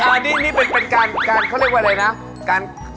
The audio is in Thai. อันนี้นี่มันเป็นการเขาเรียกว่าอะไรนะ